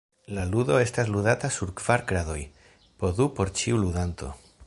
La ludo estas ludata sur kvar kradoj, po du por ĉiu ludanto.